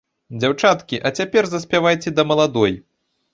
Дзяўчаткі, а цяпер заспявайце да маладой.